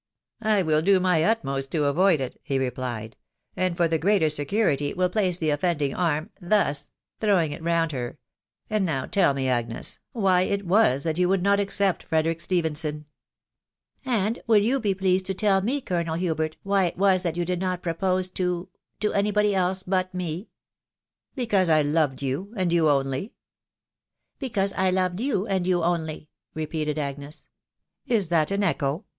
I will do my utmost to avoid it," he replied, " and for the greater security will place the offending arm thus ".... throw ing it round her ;" and now tell me, Agnes, why it was that • you would not accept Frederick Stephenson ?"" And will you be pleased to tell me, Colonel Hubert, why it was that you did not propose to •... to any body ebte but me?" "Because I loved you, w\d ^ow. w\Vj." ••' Because I loved you, and ^ow. wtoj" wj«»tak " Is that an echo?"